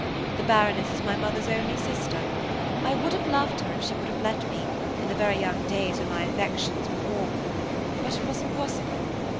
The Baroness is my mother's only sister; I would have loved her, if she would have let me, in the very young days when my affections were warm–but it was impossible.